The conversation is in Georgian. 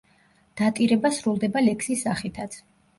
დატირება სრულდება ლექსის სახითაც.